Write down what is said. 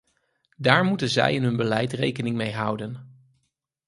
Daar moeten zij in hun beleid rekening mee houden.